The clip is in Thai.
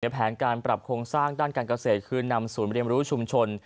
แผนการปรับโครงสร้างด้านการเกษตรคือนำศูนย์เรียนรู้ชุมชน